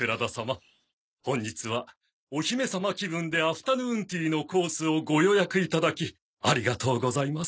本日は「お姫様気分でアフタヌーンティー」のコースをご予約いただきありがとうございます。